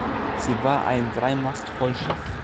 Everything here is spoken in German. Sie war ein Dreimast-Vollschiff.